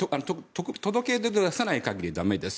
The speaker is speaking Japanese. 届け出を出さない限り駄目です。